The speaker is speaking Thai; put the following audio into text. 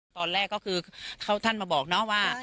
ตอนแรกก็คือท่านมาบอกเนาะว่า